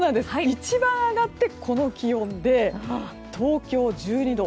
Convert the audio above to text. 一番上がってこの気温で東京、１２度。